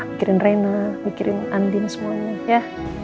pikirin reina pikirin andin semuanya ya